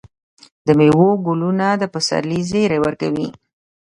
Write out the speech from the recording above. د میوو ګلونه د پسرلي زیری ورکوي.